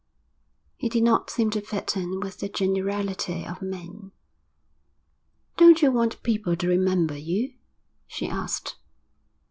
He did not seem to fit in with the generality of men. 'Don't you want people to remember you?' she asked.